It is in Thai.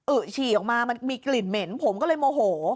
ฉี่ออกมามันมีกลิ่นเหม็นผมก็เลยโมโห